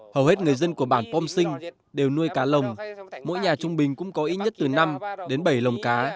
hầu hết người dân của bản pom sinh đều nuôi cá lồng mỗi nhà trung bình cũng có ít nhất từ năm đến bảy lồng cá